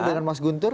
dan mas guntur